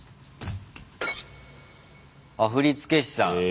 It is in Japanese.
あっ振付師さん。